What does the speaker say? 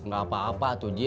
gak apa apa tuh dik